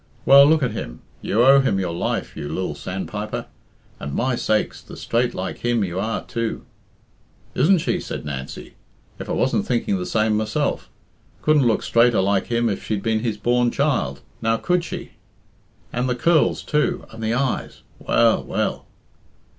"Well, look at him. You owe him your life, you lil sandpiper. And, my sakes, the straight like him you are, too!" "Isn't she?" said Nancy. "If I wasn't thinking the same myself! Couldn't look straighter like him if she'd been his born child; now, could she? And the curls, too, and the eyes! Well, well!"